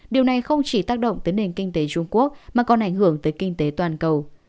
điều này không chỉ tác động tới nền kinh tế trung quốc mà còn ảnh hưởng tới kinh tế toàn cầu